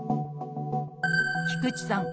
菊地さん